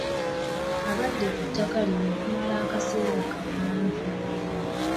Babadde ku ttaka lino okumala akaseera kawanvu.